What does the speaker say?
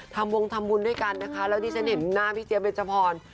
ทำวงทำบุญด้วยกันนะคะแล้วที่ฉันเห็นหน้าพี่เจี๊ยเบจพร